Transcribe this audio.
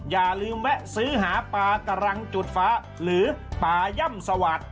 อย่าลืมแวะซื้อหาปลาตรังจุดฟ้าหรือปลาย่ำสวัสดิ์